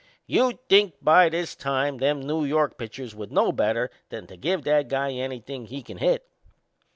You'd think by this time them New York pitchers would know better than to give that guy anything he can hit.